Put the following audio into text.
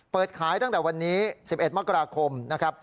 เปิดขายตั้งแต่วันนี้๑๑มกราคมนะครับ